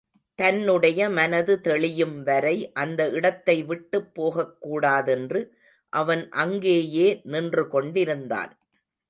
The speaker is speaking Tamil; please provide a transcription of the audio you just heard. தன்னுடைய மனது தெளியும்வரை அந்த இடத்தை விட்டுப் போகக் கூடாதென்று அவன் அங்கேயே நின்று கொண்டிருந்தான்.